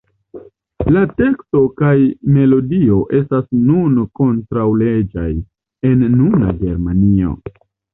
La teksto kaj melodio estas nun kontraŭleĝaj en nuna Germanio.